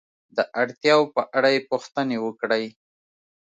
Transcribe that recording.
د اړتیاو په اړه یې پوښتنې وکړئ.